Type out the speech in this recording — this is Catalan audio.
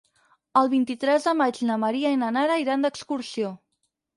El vint-i-tres de maig na Maria i na Nara iran d'excursió.